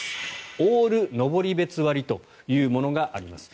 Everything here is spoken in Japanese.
オールのぼりべつ割というものがあります。